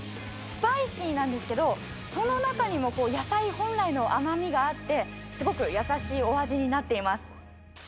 スパイシーなんですけど、その中にも野菜本来の甘みがあってすごく優しいお味になっています。